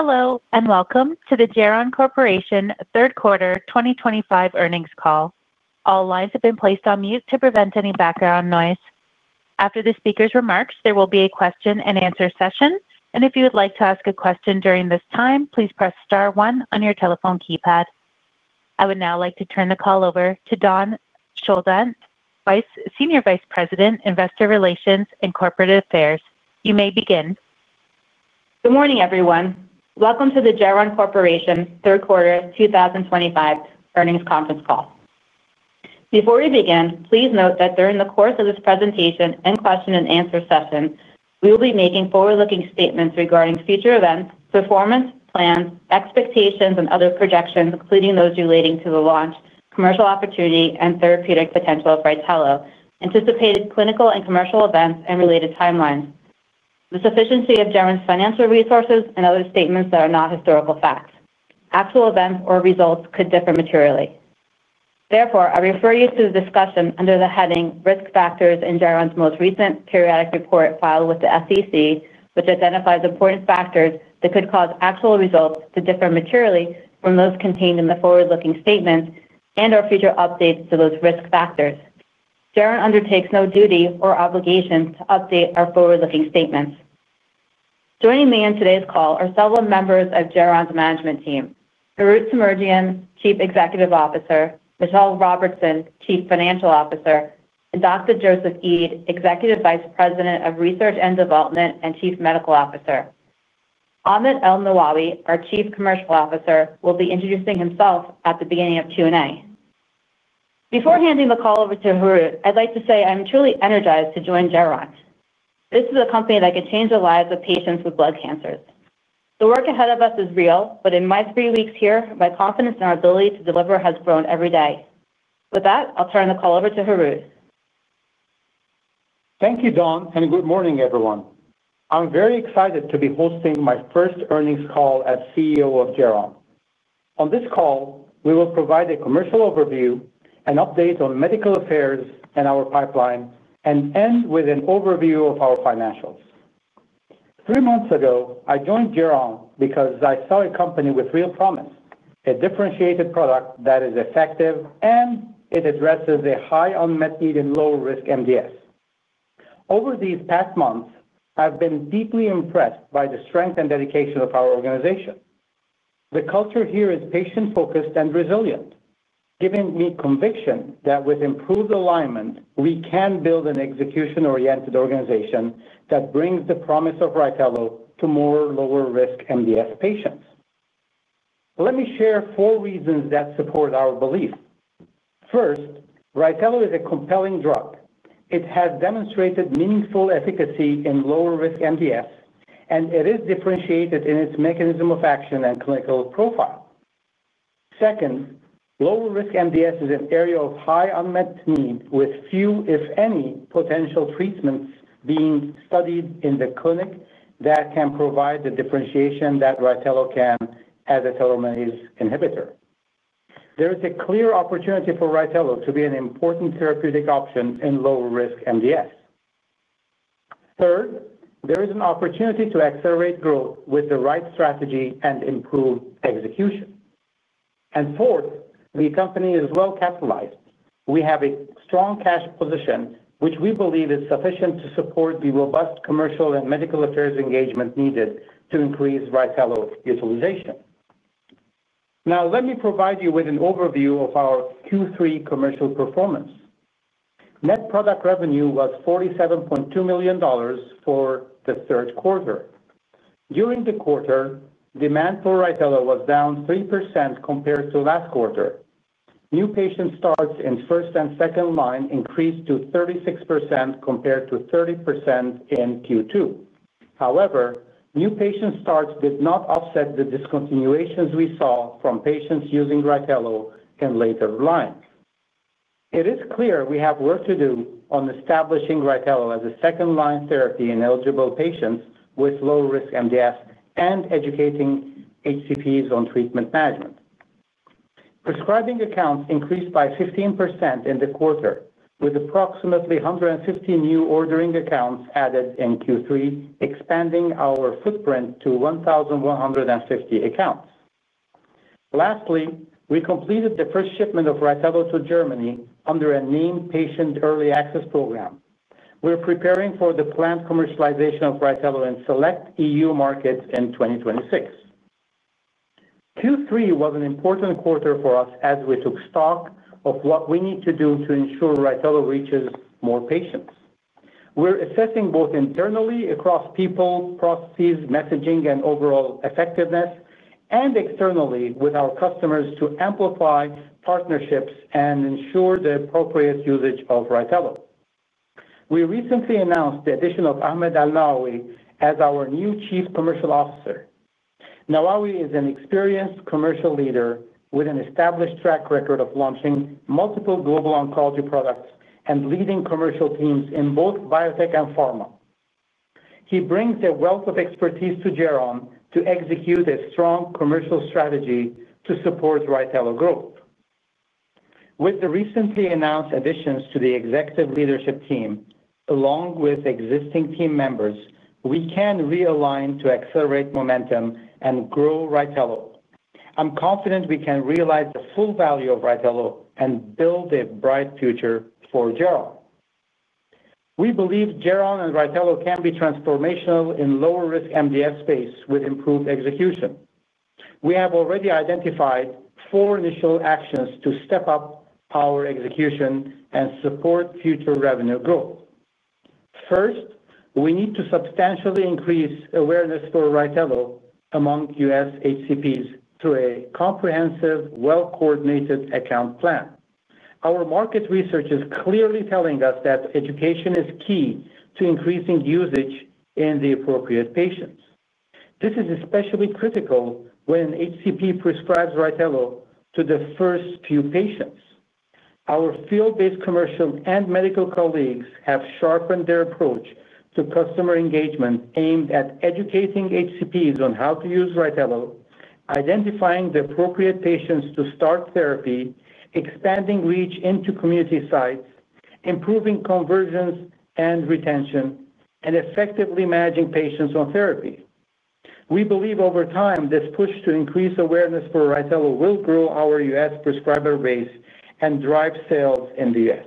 Hello and welcome to the Geron Corporation third quarter 2025 earnings call. All lines have been placed on mute to prevent any background noise. After the speaker's remarks, there will be a question-and-answer session, and if you would like to ask a question during this time, please press star one on your telephone keypad. I would now like to turn the call over to Dawn Schoeldon, Senior Vice President, Investor Relations and Corporate Affairs. You may begin. Good morning, everyone. Welcome to the Geron Corporation third quarter 2025 earnings conference call. Before we begin, please note that during the course of this presentation and question-and-answer session, we will be making forward-looking statements regarding future events, performance plans, expectations, and other projections, including those relating to the launch, commercial opportunity, and therapeutic potential of Rytelo, anticipated clinical and commercial events, and related timelines, the sufficiency of Geron's financial resources, and other statements that are not historical facts. Actual events or results could differ materially. Therefore, I refer you to the discussion under the heading Risk Factors in Geron's most recent periodic report filed with the SEC, which identifies important factors that could cause actual results to differ materially from those contained in the forward-looking statements and/or future updates to those risk factors. Geron undertakes no duty or obligation to update our forward-looking statements. Joining me on today's call are several members of Geron's management team: Harout Semerjian, Chief Executive Officer, Michelle Robertson, Chief Financial Officer, and Dr. Joseph Eid, Executive Vice President of Research and Development and Chief Medical Officer. Ahmed ElNawawi, our Chief Commercial Officer, will be introducing himself at the beginning of Q&A. Before handing the call over to Harout, I'd like to say I'm truly energized to join Geron. This is a company that can change the lives of patients with blood cancers. The work ahead of us is real, but in my three weeks here, my confidence in our ability to deliver has grown every day. With that, I'll turn the call over to Harout. Thank you, Dawn, and good morning, everyone. I'm very excited to be hosting my first earnings call as CEO of Geron. On this call, we will provide a commercial overview, an update on medical affairs and our pipeline, and end with an overview of our financials. Three months ago, I joined Geron because I saw a company with real promise, a differentiated product that is effective, and it addresses a high unmet need in low-risk MDS. Over these past months, I've been deeply IMpressed by the strength and dedication of our organization. The culture here is patient-focused and resilient, giving me conviction that with improved alignment, we can build an execution-oriented organization that brings the promise of Rytelo to more lower-risk MDS patients. Let me share four reasons that support our belief. First, Rytelo is a compelling drug. It has demonstrated meaningful efficacy in lower-risk MDS, and it is differentiated in its mechanism of action and clinical profile. Second, lower-risk MDS is an area of high unmet need, with few, if any, potential treatments being studied in the clinic that can provide the differentiation that Rytelo can as a telomerase inhibitor. There is a clear opportunity for Rytelo to be an important therapeutic option in low-risk MDS. Third, there is an opportunity to accelerate growth with the right strategy and improve execution. Fourth, the company is well-capitalized. We have a strong cash position, which we believe is sufficient to support the robust commercial and medical affairs engagement needed to increase Rytelo's utilization. Now, let me provide you with an overview of our Q3 commercial performance. Net product revenue was $47.2 million for the third quarter. During the quarter, demand for Rytelo was down 3% compared to last quarter. New patient starts in first and second line increased to 36% compared to 30% in Q2. However, new patient starts did not offset the discontinuations we saw from patients using Rytelo in later line. It is clear we have work to do on establishing Rytelo as a second-line therapy in eligible patients with low-risk MDS and educating HCPs on treatment management. Prescribing accounts increased by 15% in the quarter, with approximately 150 new ordering accounts added in Q3, expanding our footprint to 1,150 accounts. Lastly, we completed the first shipment of Rytelo to Germany under a named patient early access program. We're preparing for the planned commercialization of Rytelo in select European Union markets in 2026. Q3 was an important quarter for us as we took stock of what we need to do to ensure Rytelo reaches more patients. We're assessing both internally across people, processes, messaging, and overall effectiveness, and externally with our customers to amplify partnerships and ensure the appropriate usage of Rytelo. We recently announced the addition of Ahmed ElNawawi as our new Chief Commercial Officer. ElNawawi is an experienced commercial leader with an established track record of launching multiple global oncology products and leading commercial teams in both biotech and pharma. He brings a wealth of expertise to Geron to execute a strong commercial strategy to support Rytelo growth. With the recently announced additions to the executive leadership team, along with existing team members, we can realign to accelerate momentum and grow Rytelo. I'm confident we can realize the full value of Rytelo and build a bright future for Geron. We believe Geron and Rytelo can be transformational in the lower-risk MDS space with improved execution. We have already identified four initial actions to step up our execution and support future revenue growth. First, we need to substantially increase awareness for Rytelo among U.S. HCPs through a comprehensive, well-coordinated account plan. Our market research is clearly telling us that education is key to increasing usage in the appropriate patients. This is especially critical when an HCP prescribes Rytelo to the first few patients. Our field-based commercial and medical colleagues have sharpened their approach to customer engagement aimed at educating HCPs on how to use Rytelo, identifying the appropriate patients to start therapy, expanding reach into community sites, improving conversions and retention, and effectively managing patients on therapy. We believe over time this push to increase awareness for Rytelo will grow our U.S. prescriber base and drive sales in the U.S..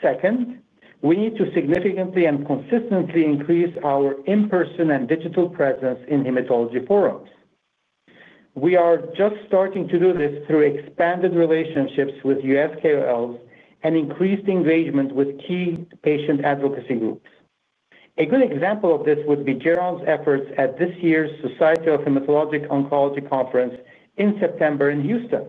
Second, we need to significantly and consistently increase our in-person and digital presence in hematology forums. We are just starting to do this through expanded relationships with U.S. KOLs and increased engagement with key patient advocacy groups. A good example of this would be Geron's efforts at this year's Society of Hematologic Oncology Conference in September in Houston.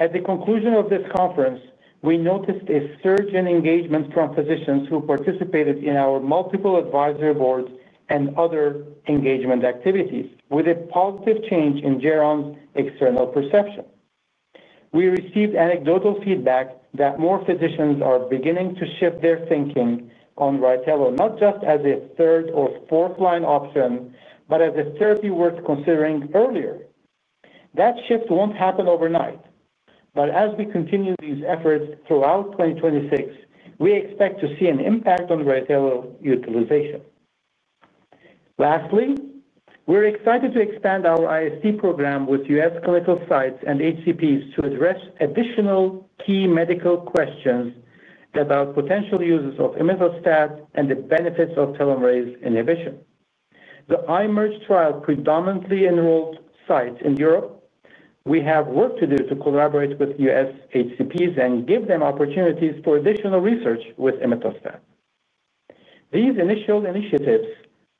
At the conclusion of this conference, we noticed a surge in engagement from physicians who participated in our multiple advisory boards and other engagement activities, with a positive change in Geron's external perception. We received anecdotal feedback that more physicians are beginning to shift their thinking on Rytelo, not just as a third or fourth-line option, but as a therapy worth considering earlier. That shift will not happen overnight, but as we continue these efforts throughout 2026, we expect to see an impact on Rytelo utilization. Lastly, we're excited to expand our IST program with U.S. clinical sites and HCPs to address additional key medical questions about potential uses of imetelstat and the benefits of telomerase inhibition. The IMerge trial predominantly enrolled sites in Europe. We have work to do to collaborate with U.S. HCPs and give them opportunities for additional research with imetelstat. These initial initiatives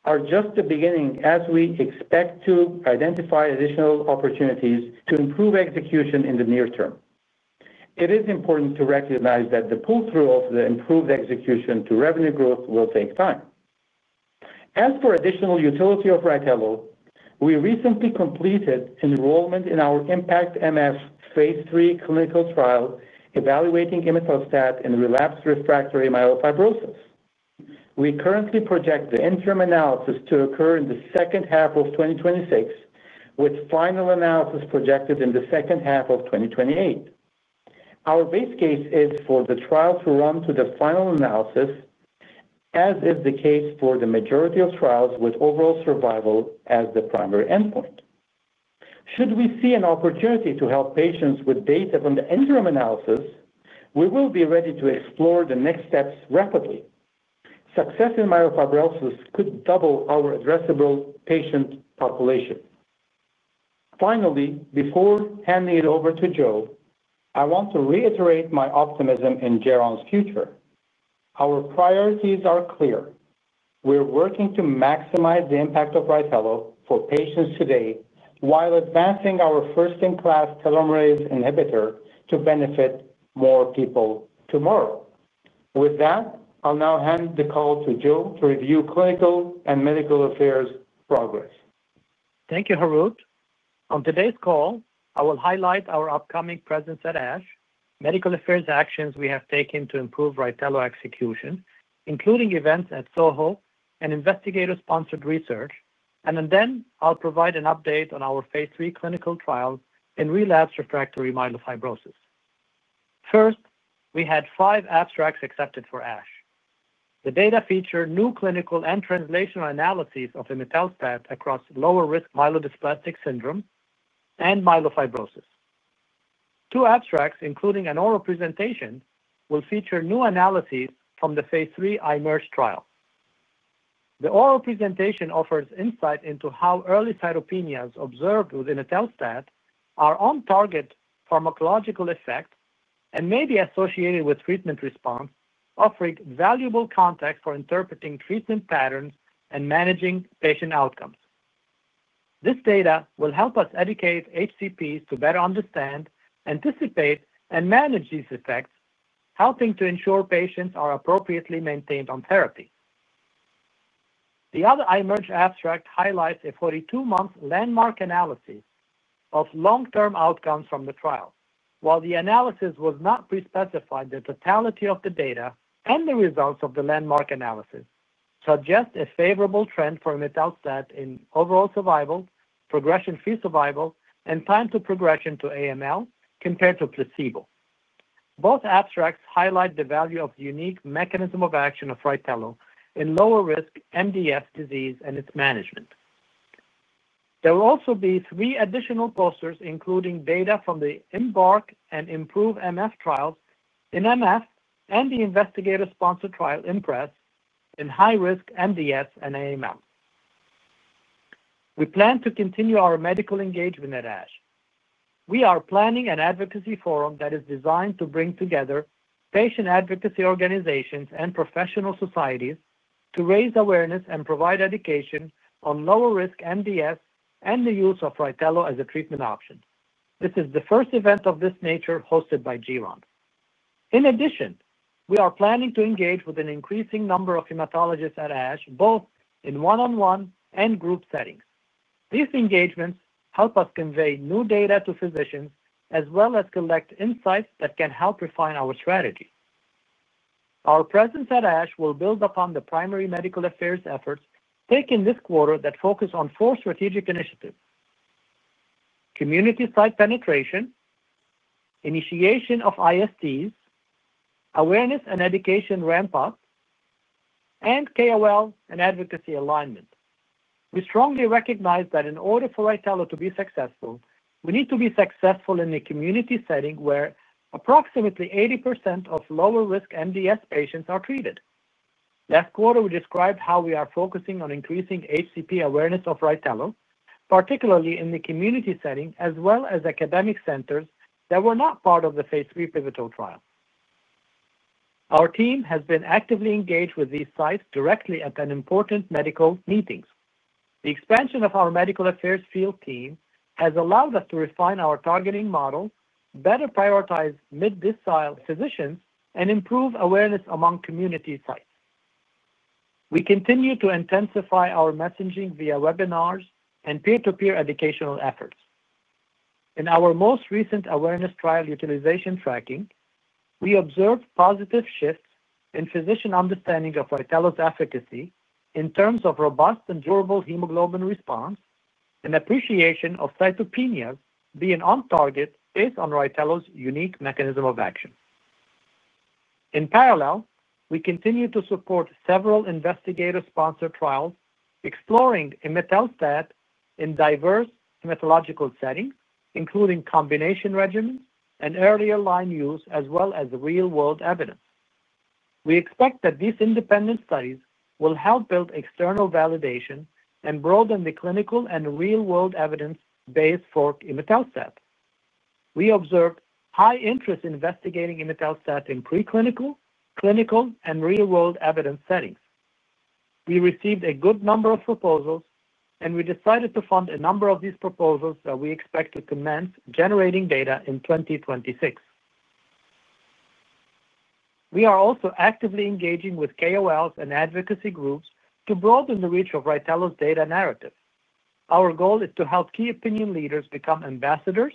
are just the beginning, as we expect to identify additional opportunities to improve execution in the near term. It is important to recognize that the pull-through of the improved execution to revenue growth will take time. As for additional utility of Rytelo, we recently completed enrollment in our IMpactMF phase III clinical trial evaluating imetelstat in relapsed refractory myelofibrosis. We currently project the interim analysis to occur in the second half of 2026, with final analysis projected in the second half of 2028. Our base case is for the trial to run to the final analysis. As is the case for the majority of trials with overall survival as the primary endpoint. Should we see an opportunity to help patients with data from the interim analysis, we will be ready to explore the next steps rapidly. Success in myelofibrosis could double our addressable patient population. Finally, before handing it over to Joe, I want to reiterate my optimism in Geron's future. Our priorities are clear. We're working to maximize the impact of Rytelo for patients today while advancing our first-in-class telomerase inhibitor to benefit more people tomorrow. With that, I'll now hand the call to Joe to review clinical and medical affairs progress. Thank you, Harout. On today's call, I will highlight our upcoming presence at ASH, medical affairs actions we have taken to improve Rytelo execution, including events at SOHO and investigator-sponsored research, and then I'll provide an update on our phase III clinical trial in relapsed refractory myelofibrosis. First, we had five abstracts accepted for ASH. The data feature new clinical and translational analyses of imetelstat across lower-risk myelodysplastic syndrome and myelofibrosis. Two abstracts, including an oral presentation, will feature new analyses from the phase III IMerge trial. The oral presentation offers insight into how early cytopenias observed with imetelstat are on-target pharmacological effect and may be associated with treatment response, offering valuable context for interpreting treatment patterns and managing patient outcomes. This data will help us educate HCPs to better understand, anticipate, and manage these effects, helping to ensure patients are appropriately maintained on therapy. The other IMerge abstract highlights a 42-month landmark analysis of long-term outcomes from the trial. While the analysis was not pre-specified, the totality of the data and the results of the landmark analysis suggest a favorable trend for imetelstat in overall survival, progression-free survival, and time to progression to AML compared to placebo. Both abstracts highlight the value of the unique mechanism of action of Rytelo in lower-risk MDS disease and its management. There will also be three additional posters, including data from the IMBARC and IMproveMF trials in myelofibrosis and the investigator-sponsored trial IMpress in high-risk MDS and AML. We plan to continue our medical engagement at ASH. We are planning an advocacy forum that is designed to bring together patient advocacy organizations and professional societies to raise awareness and provide education on lower-risk MDS and the use of Rytelo as a treatment option. This is the first event of this nature hosted by Geron. In addition, we are planning to engage with an increasing number of hematologists at ASH, both in one-on-one and group settings. These engagements help us convey new data to physicians as well as collect insights that can help refine our strategy. Our presence at ASH will build upon the primary medical affairs efforts taken this quarter that focus on four strategic initiatives. Community site penetration. Initiation of ISTs. Awareness and education ramp-up. KOL and advocacy alignment. We strongly recognize that in order for Rytelo to be successful, we need to be successful in a community setting where approximately 80% of lower-risk MDS patients are treated. Last quarter, we described how we are focusing on increasing HCP awareness of Rytelo, particularly in the community setting, as well as academic centers that were not part of the phase III pivotal trial. Our team has been actively engaged with these sites directly at important medical meetings. The expansion of our medical affairs field team has allowed us to refine our targeting model, better prioritize MDS physicians, and improve awareness among community sites. We continue to intensify our messaging via webinars and peer-to-peer educational efforts. In our most recent awareness trial utilization tracking, we observed positive shifts in physician understanding of Rytelo's efficacy in terms of robust and durable hemoglobin response and appreciation of cytopenias being on-target based on Rytelo's unique mechanism of action. In parallel, we continue to support several investigator-sponsored trials exploring imetelstat in diverse hematologic settings, including combination regimens and earlier line use, as well as real-world evidence. We expect that these independent studies will help build external validation and broaden the clinical and real-world evidence base for imetelstat. We observed high interest in investigating imetelstat in preclinical, clinical, and real-world evidence settings. We received a good number of proposals, and we decided to fund a number of these proposals that we expect to commence generating data in 2026. We are also actively engaging with KOLs and advocacy groups to broaden the reach of Rytelo's data narrative. Our goal is to help key opinion leaders become ambassadors,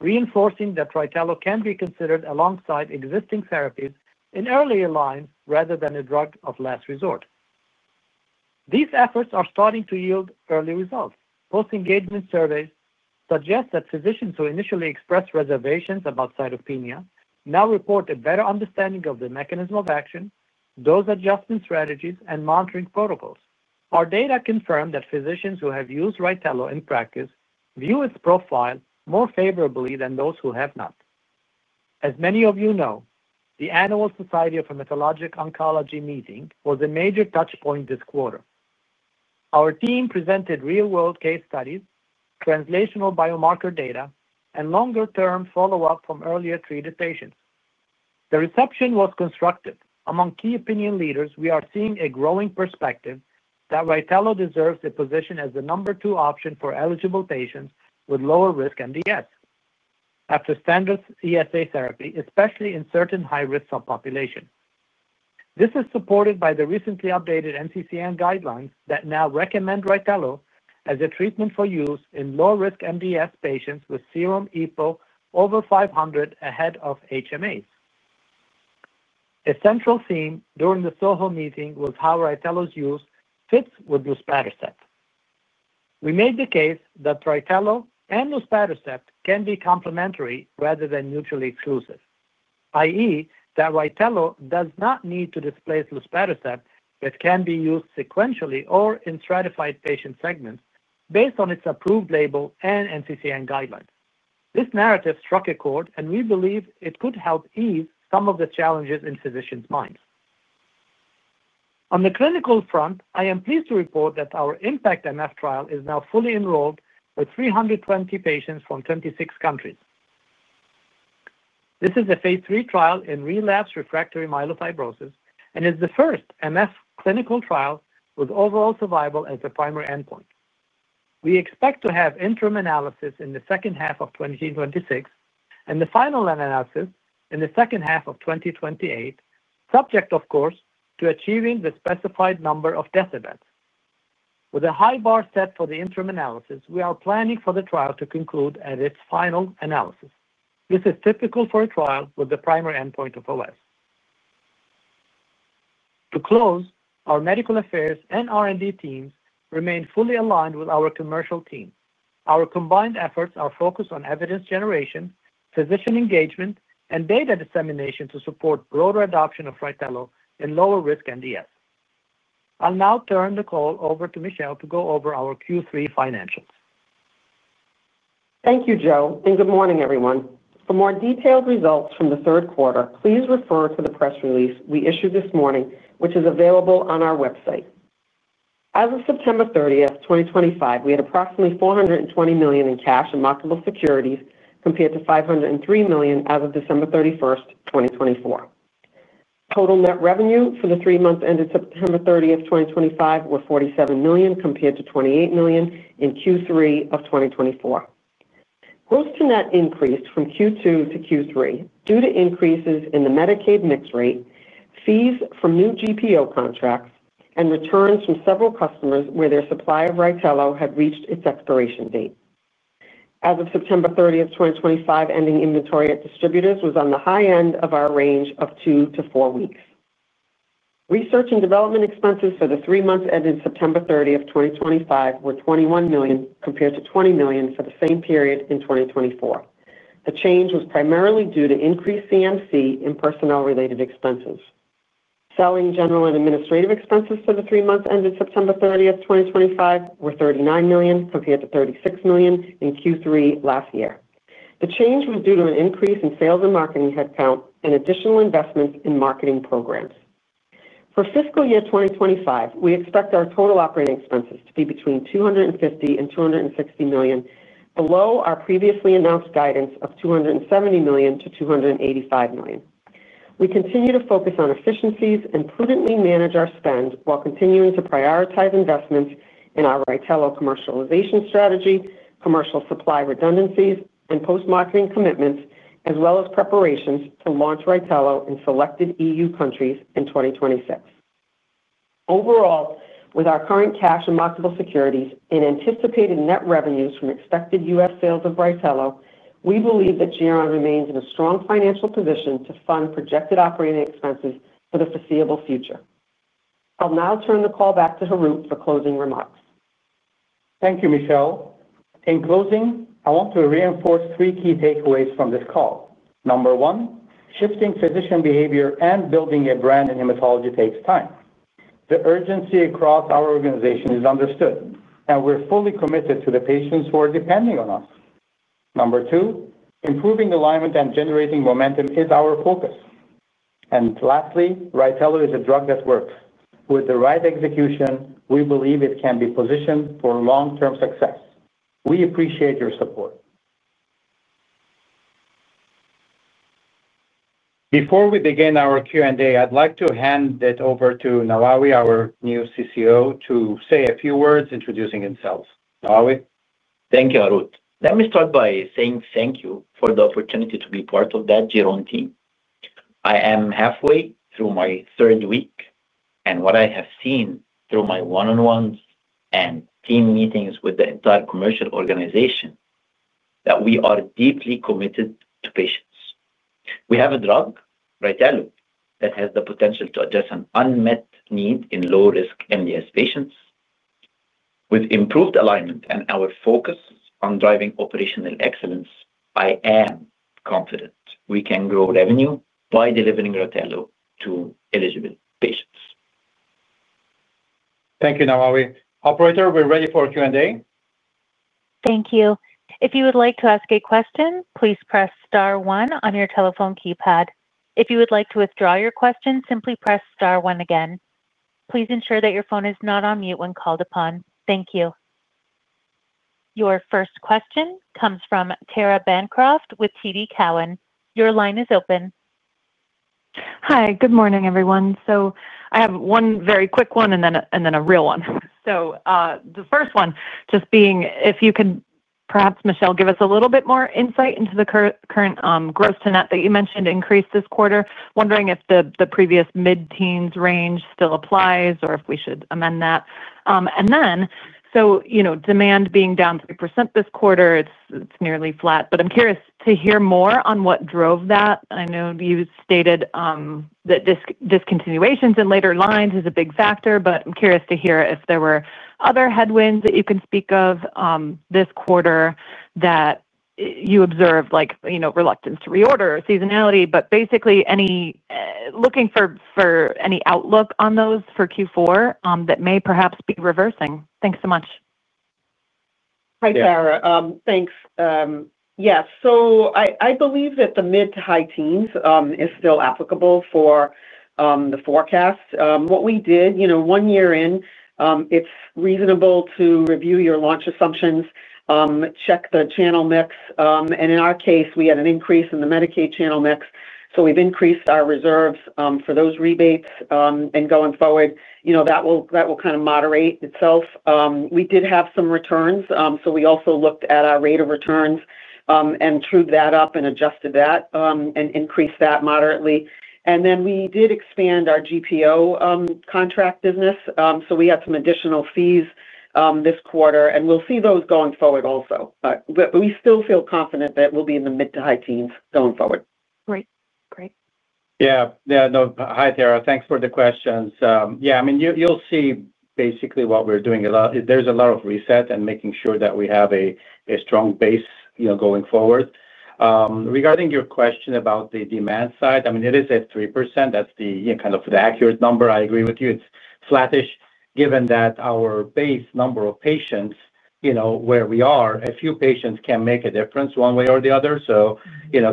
reinforcing that Rytelo can be considered alongside existing therapies in earlier lines rather than a drug of last resort. These efforts are starting to yield early results. Post-engagement surveys suggest that physicians who initially expressed reservations about cytopenias now report a better understanding of the mechanism of action, dose adjustment strategies, and monitoring protocols. Our data confirm that physicians who have used Rytelo in practice view its profile more favorably than those who have not. As many of you know, the annual Society of Hematologic Oncology meeting was a major touchpoint this quarter. Our team presented real-world case studies, translational biomarker data, and longer-term follow-up from earlier treated patients. The reception was constructive. Among key opinion leaders, we are seeing a growing perspective that Rytelo deserves a position as the number two option for eligible patients with lower-risk MDS after standard ESA therapy, especially in certain high-risk subpopulations. This is supported by the recently updated NCCN guidelines that now recommend Rytelo as a treatment for use in low-risk MDS patients with serum EPO over 500 ahead of HMAs. A central theme during the SOHO meeting was how Rytelo's use fits with luspatercept. We made the case that Rytelo and luspatercept can be complementary rather than mutually exclusive, i.e., that Rytelo does not need to displace luspatercept, but can be used sequentially or in stratified patient segments based on its approved label and NCCN guidelines. This narrative struck a chord, and we believe it could help ease some of the challenges in physicians' minds. On the clinical front, I am pleased to report that our IMpactMF trial is now fully enrolled with 320 patients from 26 countries. This is a phase III trial in relapsed refractory myelofibrosis and is the first MF clinical trial with overall survival as the primary endpoint. We expect to have interim analysis in the second half of 2026 and the final analysis in the second half of 2028, subject, of course, to achieving the specified number of death events. With a high bar set for the interim analysis, we are planning for the trial to conclude at its final analysis. This is typical for a trial with the primary endpoint of OS. To close, our medical affairs and R&D teams remain fully aligned with our commercial team. Our combined efforts are focused on evidence generation, physician engagement, and data dissemination to support broader adoption of Rytelo in lower-risk MDS. I'll now turn the call over to Michelle to go over our Q3 financials. Thank you, Joe, and good morning, everyone. For more detailed results from the third quarter, please refer to the press release we issued this morning, which is available on our website. As of September 30, 2025, we had approximately $420 million in cash and marketable securities compared to $503 million as of December 31, 2024. Total net revenue for the three months ended September 30, 2025, was $47 million compared to $28 million in Q3 of 2024. Gross-to-net increased from Q2 to Q3 due to increases in the Medicaid mix rate, fees from new GPO contracts, and returns from several customers where their supply of Rytelo had reached its expiration date. As of September 30, 2025, ending inventory at distributors was on the high end of our range of two to four weeks. Research and development expenses for the three months ended September 30, 2025, were $21 million compared to $20 million for the same period in 2024. The change was primarily due to increased CMC and personnel-related expenses. Selling, general and administrative expenses for the three months ended September 30, 2025, were $39 million compared to $36 million in Q3 last year. The change was due to an increase in sales and marketing headcount and additional investments in marketing programs. For fiscal year 2025, we expect our total operating expenses to be between $250 million and $260 million, below our previously announced guidance of $270 million-$285 million. We continue to focus on efficiencies and prudently manage our spend while continuing to prioritize investments in our Rytelo commercialization strategy, commercial supply redundancies, and post-marketing commitments, as well as preparations to launch Rytelo in selected European Union countries in 2026. Overall, with our current cash and marketable securities and anticipated net revenues from expected U.S. sales of Rytelo, we believe that Geron remains in a strong financial position to fund projected operating expenses for the foreseeable future. I'll now turn the call back to Harout for closing remarks. Thank you, Michelle. In closing, I want to reinforce three key takeaways from this call. Number one, shifting physician behavior and building a brand in hematology takes time. The urgency across our organization is understood, and we're fully committed to the patients who are depending on us. Number two, improving alignment and generating momentum is our focus. Lastly, Rytelo is a drug that works. With the right execution, we believe it can be positioned for long-term success. We appreciate your support. Before we begin our Q&A, I'd like to hand it over to Ahmed ElNawawi, our new Chief Commercial Officer, to say a few words introducing himself. Ahmed. Thank you, Harout. Let me start by saying thank you for the opportunity to be part of the Geron team. I am halfway through my third week, and what I have seen through my one-on-ones and team meetings with the entire commercial organization is that we are deeply committed to patients. We have a drug, Rytelo, that has the potential to address an unmet need in low-risk MDS patients. With improved alignment and our focus on driving operational excellence, I am confident we can grow revenue by delivering Rytelo to eligible patients. Thank you, ElNawawi. Operator, we're ready for Q&A. Thank you. If you would like to ask a question, please press star one on your telephone keypad. If you would like to withdraw your question, simply press star one again. Please ensure that your phone is not on mute when called upon. Thank you. Your first question comes from Tara Bancroft with TD Cowen. Your line is open. Hi, good morning, everyone. I have one very quick one and then a real one. The first one just being, if you can perhaps, Michelle, give us a little bit more insight into the current gross-to-net that you mentioned increased this quarter. Wondering if the previous mid-teens range still applies or if we should amend that. Demand being down 3% this quarter, it's nearly flat. I am curious to hear more on what drove that. I know you stated that discontinuations in later lines is a big factor, but I am curious to hear if there were other headwinds that you can speak of this quarter that you observed, like reluctance to reorder or seasonality, basically looking for any outlook on those for Q4 that may perhaps be reversing. Thanks so much. Hi, Sarah. Thanks. Yeah, so I believe that the mid-to-high teens is still applicable for the forecast. What we did one year in, it's reasonable to review your launch assumptions, check the channel mix. In our case, we had an increase in the Medicaid channel mix, so we've increased our reserves for those rebates. Going forward, that will kind of moderate itself. We did have some returns, so we also looked at our rate of returns and trued that up and adjusted that and increased that moderately. We did expand our GPO contract business, so we had some additional fees this quarter, and we'll see those going forward also. We still feel confident that we'll be in the mid-to-high teens going forward. Great. Great. Yeah. Yeah. No. Hi, Tara. Thanks for the questions. Yeah. I mean, you'll see basically what we're doing. There's a lot of reset and making sure that we have a strong base going forward. Regarding your question about the demand side, I mean, it is at 3%. That's kind of the accurate number. I agree with you. It's flattish, given that our base number of patients, where we are, a few patients can make a difference one way or the other.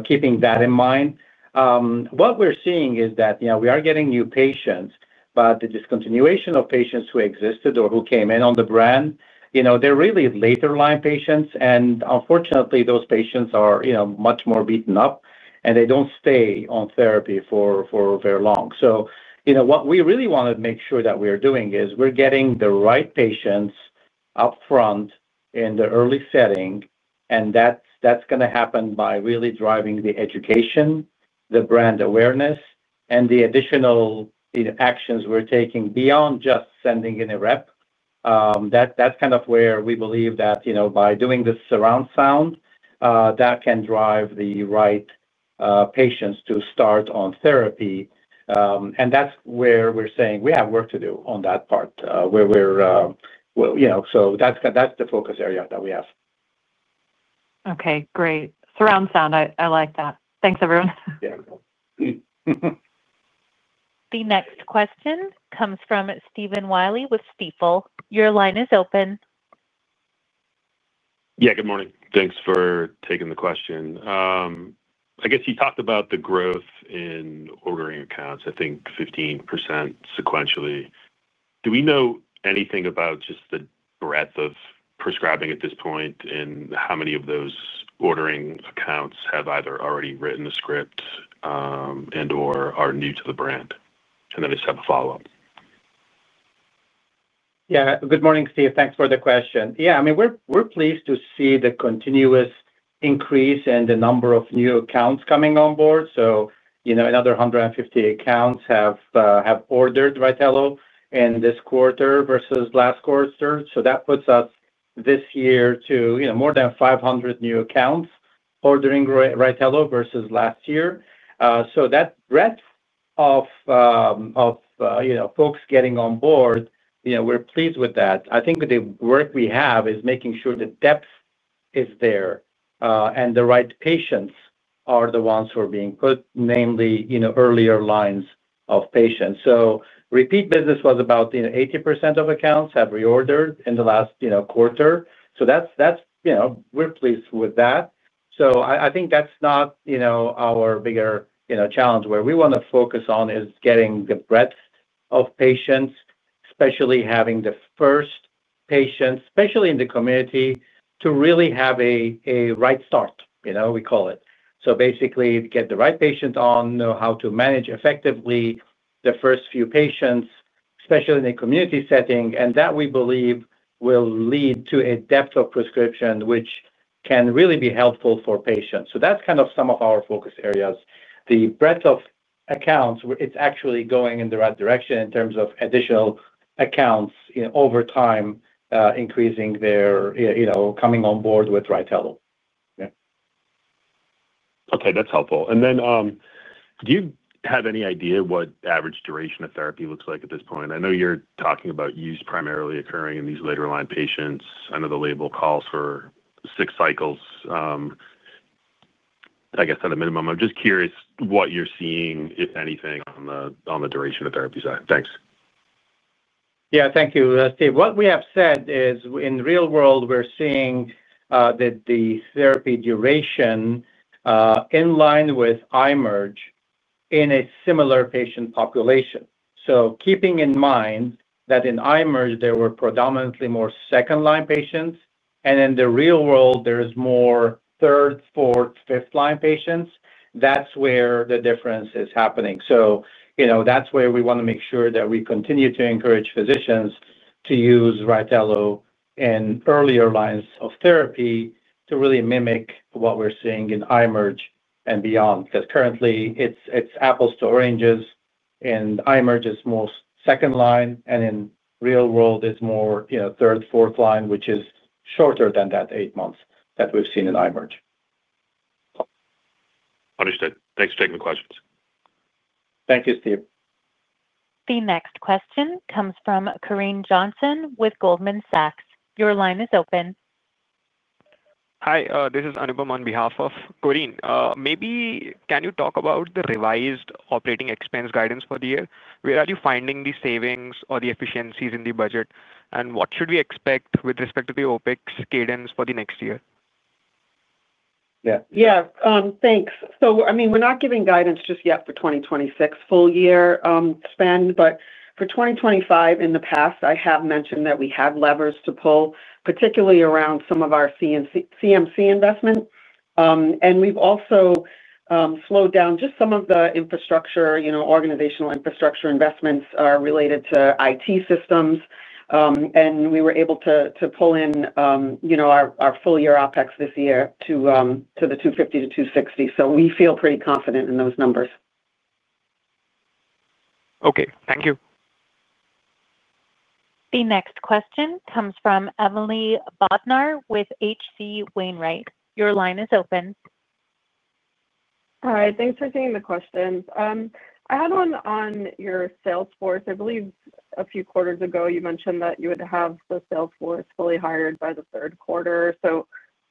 Keeping that in mind. What we're seeing is that we are getting new patients, but the discontinuation of patients who existed or who came in on the brand, they're really later-line patients. Unfortunately, those patients are much more beaten up, and they don't stay on therapy for very long. What we really want to make sure that we are doing is we're getting the right patients upfront in the early setting, and that's going to happen by really driving the education, the brand awareness, and the additional actions we're taking beyond just sending in a rep. That's kind of where we believe that by doing the surround sound, that can drive the right patients to start on therapy. That's where we're saying we have work to do on that part. That's the focus area that we have. Okay. Great. Surround sound. I like that. Thanks, everyone. Yeah. The next question comes from Stephen Willey with Stifel. Your line is open. Yeah. Good morning. Thanks for taking the question. I guess you talked about the growth in ordering accounts, I think 15% sequentially. Do we know anything about just the breadth of prescribing at this point and how many of those ordering accounts have either already written the script and/or are new to the brand? I just have a follow-up. Yeah. Good morning, Steve. Thanks for the question. Yeah. I mean, we're pleased to see the continuous increase in the number of new accounts coming on board. Another 150 accounts have ordered Rytelo in this quarter versus last quarter. That puts us this year to more than 500 new accounts ordering Rytelo versus last year. That breadth of folks getting on board, we're pleased with that. I think the work we have is making sure the depth is there and the right patients are the ones who are being put, namely earlier lines of patients. Repeat business was about 80% of accounts have reordered in the last quarter. We're pleased with that. I think that's not our bigger challenge. Where we want to focus on is getting the breadth of patients, especially having the first patients, especially in the community, to really have a right start, we call it. Basically, get the right patient on, know how to manage effectively the first few patients, especially in a community setting. That, we believe, will lead to a depth of prescription, which can really be helpful for patients. That is kind of some of our focus areas. The breadth of accounts, it is actually going in the right direction in terms of additional accounts over time, increasing their coming on board with Rytelo. Yeah. Okay. That's helpful. Do you have any idea what average duration of therapy looks like at this point? I know you're talking about use primarily occurring in these later-line patients. I know the label calls for six cycles. I guess at a minimum. I'm just curious what you're seeing, if anything, on the duration of therapy side. Thanks. Yeah. Thank you, Steve. What we have said is, in the real world, we're seeing that the therapy duration is in line with IMerge in a similar patient population. Keeping in mind that in IMerge, there were predominantly more second-line patients, and in the real world, there are more third, fourth, fifth-line patients. That's where the difference is happening. That's where we want to make sure that we continue to encourage physicians to use Rytelo in earlier lines of therapy to really mimic what we're seeing in IMerge and beyond. Because currently, it's apples to oranges, and IMerge is more second-line, and in the real world, it's more third, fourth-line, which is shorter than that eight months that we've seen in IMerge. Understood. Thanks for taking the questions. Thank you, Steve. The next question comes from Corinne Johnson with Goldman Sachs. Your line is open. Hi. This is Anupama on behalf of Corinne. Maybe can you talk about the revised operating expense guidance for the year? Where are you finding the savings or the efficiencies in the budget, and what should we expect with respect to the OpEx cadence for the next year? Yeah. Yeah. Thanks. I mean, we're not giving guidance just yet for 2026 full-year spend, but for 2025, in the past, I have mentioned that we have levers to pull, particularly around some of our CMC investment. We've also slowed down just some of the infrastructure, organizational infrastructure investments related to IT systems. We were able to pull in our full-year OpEx this year to the $250 million-$260 million. We feel pretty confident in those numbers. Okay. Thank you. The next question comes from Emily Bodnar with H.C. Wainwright. Your line is open. Hi. Thanks for taking the question. I had one on your sales force. I believe a few quarters ago, you mentioned that you would have the sales force fully hired by the third quarter.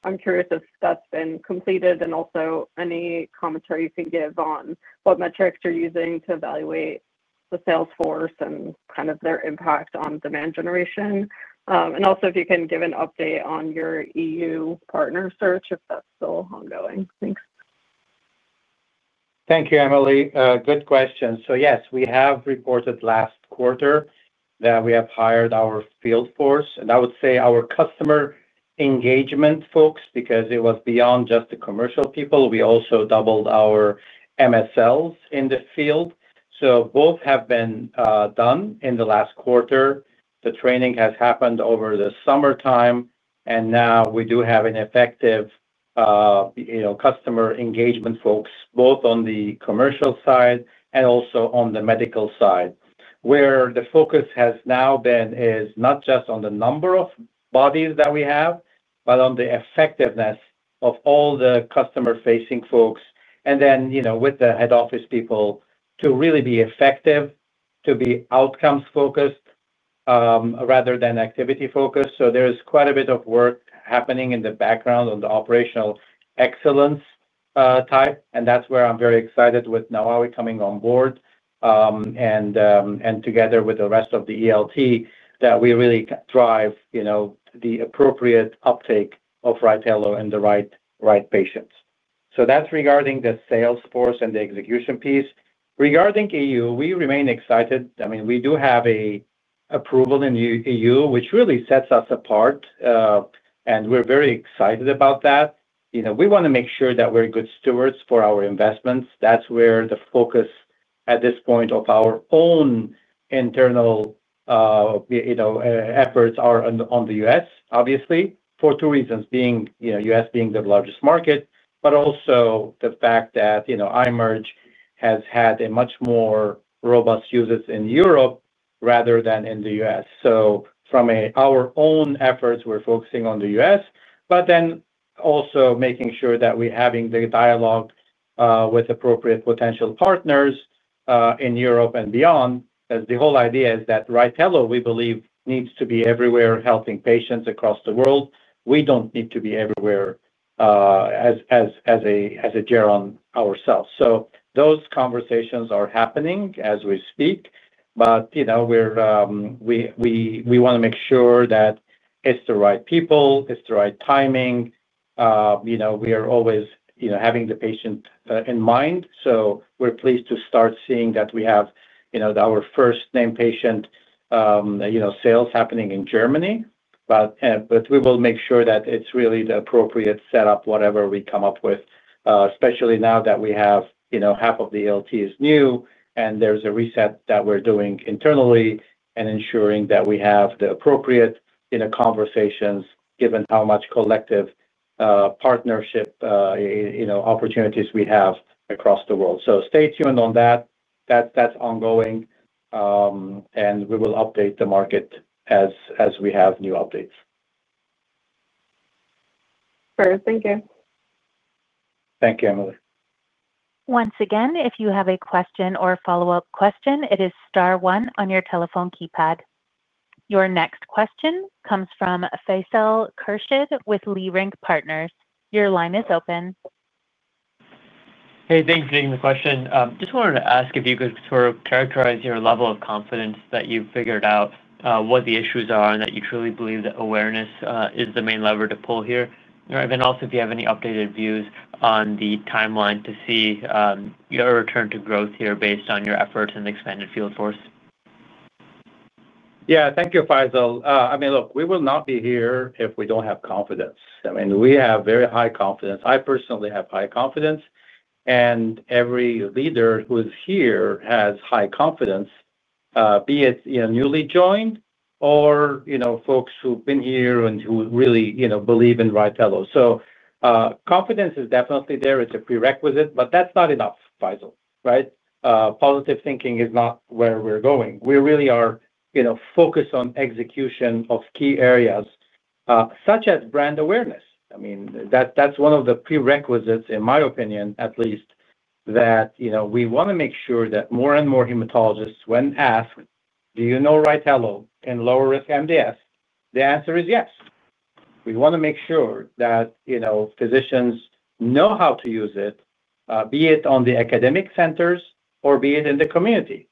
I'm curious if that's been completed and also any commentary you can give on what metrics you're using to evaluate the sales force and kind of their impact on demand generation. Also, if you can give an update on your EU partner search if that's still ongoing. Thanks. Thank you, Emily. Good question. So yes, we have reported last quarter that we have hired our field force. And I would say our customer engagement folks, because it was beyond just the commercial people, we also doubled our MSLs in the field. So both have been done in the last quarter. The training has happened over the summertime, and now we do have an effective customer engagement folks, both on the commercial side and also on the medical side. Where the focus has now been is not just on the number of bodies that we have, but on the effectiveness of all the customer-facing folks. And then with the head office people to really be effective, to be outcomes-focused rather than activity-focused. So there is quite a bit of work happening in the background on the operational excellence type. That is where I am very excited with Nawawi coming on board. Together with the rest of the ELT, we really drive the appropriate uptake of Rytelo in the right patients. That is regarding the sales force and the execution piece. Regarding the EU, we remain excited. I mean, we do have an approval in the EU, which really sets us apart. We are very excited about that. We want to make sure that we are good stewards for our investments. That is where the focus at this point of our own internal efforts are on the U.S., obviously, for two reasons: U.S. being the largest market, but also the fact that IMerge has had a much more robust usage in Europe rather than in the U.S. From our own efforts, we're focusing on the U.S., but then also making sure that we're having the dialogue with appropriate potential partners in Europe and beyond. The whole idea is that Rytelo, we believe, needs to be everywhere helping patients across the world. We don't need to be everywhere as Geron ourselves. Those conversations are happening as we speak, but we want to make sure that it's the right people, it's the right timing. We are always having the patient in mind. We're pleased to start seeing that we have our first named patient sales happening in Germany. We will make sure that it's really the appropriate setup, whatever we come up with, especially now that we have half of the ELT is new and there's a reset that we're doing internally and ensuring that we have the appropriate conversations, given how much collective. Partnership. Opportunities we have across the world. Stay tuned on that. That's ongoing. We will update the market as we have new updates. Great. Thank you. Thank you, Emily. Once again, if you have a question or a follow-up question, it is star one on your telephone keypad. Your next question comes from Faisa Khurshid with Leerink Partners. Your line is open. Hey, thanks for taking the question. Just wanted to ask if you could sort of characterize your level of confidence that you've figured out what the issues are and that you truly believe that awareness is the main lever to pull here. Also, if you have any updated views on the timeline to see your return to growth here based on your efforts and the expanded field force. Yeah. Thank you, Faisal. I mean, look, we will not be here if we don't have confidence. I mean, we have very high confidence. I personally have high confidence. And every leader who is here has high confidence. Be it newly joined or folks who've been here and who really believe in Rytelo. So confidence is definitely there. It's a prerequisite, but that's not enough, Faisal, right? Positive thinking is not where we're going. We really are focused on execution of key areas such as brand awareness. I mean, that's one of the prerequisites, in my opinion, at least, that we want to make sure that more and more hematologists, when asked, "Do you know Rytelo in lower-risk MDS?" The answer is yes. We want to make sure that. Physicians know how to use it. Be it on the academic centers or be it in the community.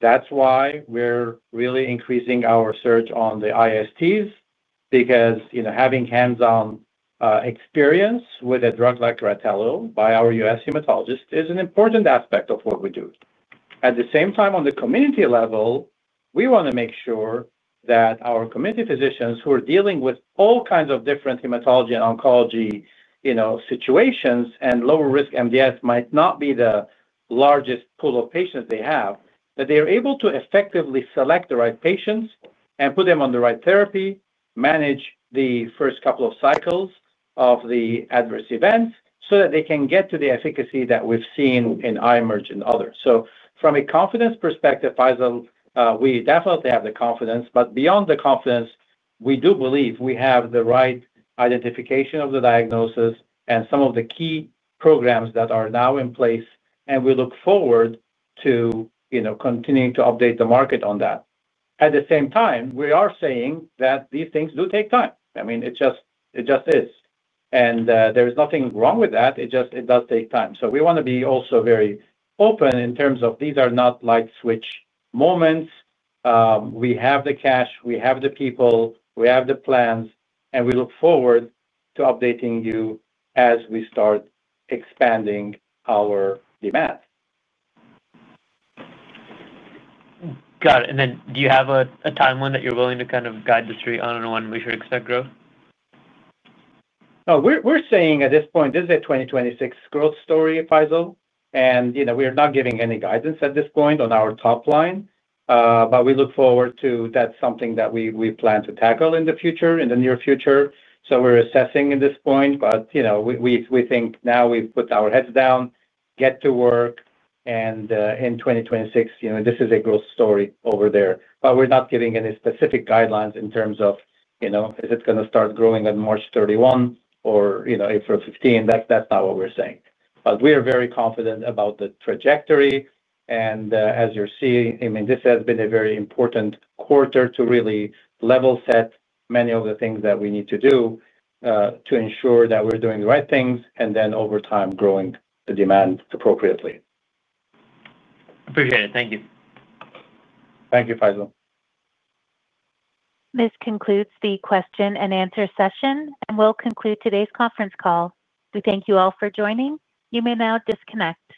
That's why we're really increasing our search on the ISTs because having hands-on experience with a drug like Rytelo by our U.S. hematologists is an important aspect of what we do. At the same time, on the community level, we want to make sure that our community physicians who are dealing with all kinds of different hematology and oncology situations and lower-risk MDS might not be the largest pool of patients they have, that they are able to effectively select the right patients and put them on the right therapy, manage the first couple of cycles of the adverse events so that they can get to the efficacy that we've seen in IMerge and others. From a confidence perspective, Faisal, we definitely have the confidence. Beyond the confidence, we do believe we have the right identification of the diagnosis and some of the key programs that are now in place. We look forward to continuing to update the market on that. At the same time, we are saying that these things do take time. I mean, it just is. There is nothing wrong with that. It just does take time. We want to be also very open in terms of these are not light switch moments. We have the cash, we have the people, we have the plans, and we look forward to updating you as we start expanding our demand. Got it. And then do you have a timeline that you're willing to kind of guide the street on when we should expect growth? We're saying at this point, this is a 2026 growth story, Faisal. We are not giving any guidance at this point on our top line. We look forward to that; that's something that we plan to tackle in the future, in the near future. We're assessing at this point. We think now we've put our heads down, get to work, and in 2026, this is a growth story over there. We're not giving any specific guidelines in terms of is it going to start growing on March 31 or April 15? That's not what we're saying. We are very confident about the trajectory. As you're seeing, I mean, this has been a very important quarter to really level set many of the things that we need to do to ensure that we're doing the right things and then, over time, growing the demand appropriately. Appreciate it. Thank you. Thank you, Faisal. This concludes the question-and-answer session, and we'll conclude today's conference call. We thank you all for joining. You may now disconnect.